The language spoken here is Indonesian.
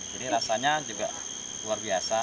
jadi rasanya juga luar biasa